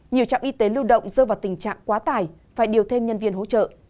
nhiều trạm y tế lưu động rơi vào tình trạng quá tải phải điều thêm nhân viên hỗ trợ